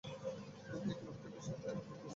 ঘুম থেকে উঠতে বেশ দেরী হয়ে গিয়েছে।